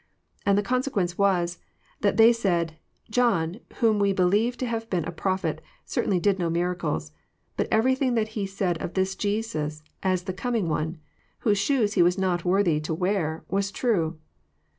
And the consequence was, that they said, '' John, whom we believe to have been a prophet, certainly did no miracles, but everything that he said of this Jesus as the coming One, whose shoes he was not worthy to wear, was true.